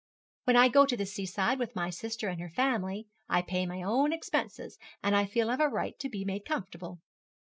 'When I go to the sea side with my sister and her family, I pay my own expenses, and I feel I've a right to be made comfortable.'